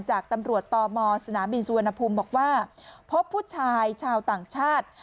จากตำรวจตมสนามบินสุวรรณภูมิบอกว่าพบผู้ชายชาวต่างชาติ